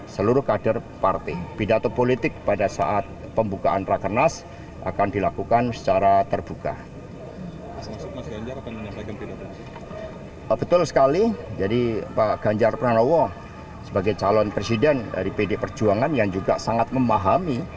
joko widodo sebagai calon presiden dari pdi perjuangan yang juga sangat memahami